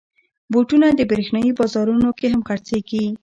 بوټونه د برېښنايي بازارونو کې هم خرڅېږي.